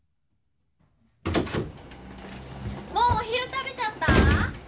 もうお昼食べちゃった？